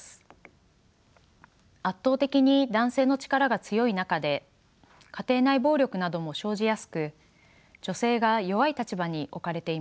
圧倒的に男性の力が強い中で家庭内暴力なども生じやすく女性が弱い立場に置かれています。